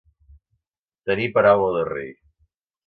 Tenir paraula de rei.